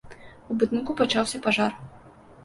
У будынку пачаўся пажар.